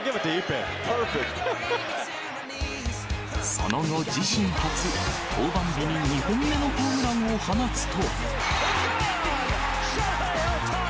その後、自身初、登板日に２本目のホームランを放つと。